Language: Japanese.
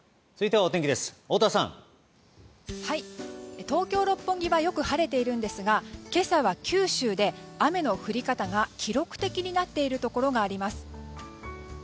はい、東京・六本木はよく晴れているんですが今朝は九州で雨の降り方が記録的になっているところがあります。